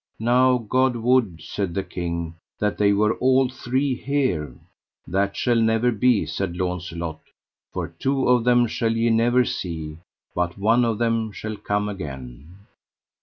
Now God would, said the king, that they were all three here. That shall never be, said Launcelot, for two of them shall ye never see, but one of them shall come again.